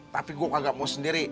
tapi gue gak mau sendiri